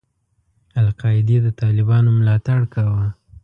القاعدې د طالبانو ملاتړ کاوه.